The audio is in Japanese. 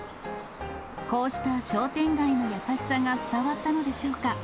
こうした商店街の優しさが伝わったのでしょうか。